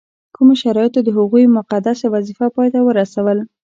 کومو شرایطو د هغوی مقدسه وظیفه پای ته ورسول.